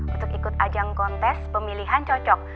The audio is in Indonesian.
untuk ikut ajang kontes pemilihan cocok